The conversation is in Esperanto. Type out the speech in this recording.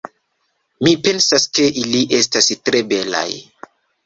Mi pensas, ke ili estas tre belaj